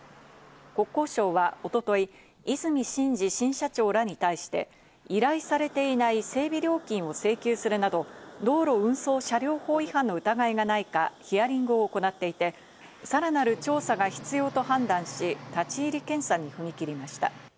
国交省はおととい、和泉伸二新社長らに対して依頼されていない整備料金を請求するなど、道路運送車両法違反の疑いがないかヒアリングを行っていて、さらなる調査が必要と判断し、立ち入り検査に踏み切りました。